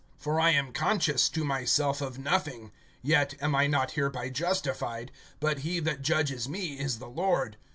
(4)For I am conscious to myself of nothing; yet am I not hereby justified, but he that judges me is the Lord.